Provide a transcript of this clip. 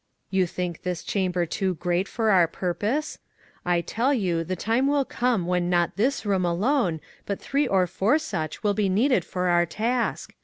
You think this chamber too great for our purpose? I tell you the time will come when not this room alone but three or four such will be needed for our task.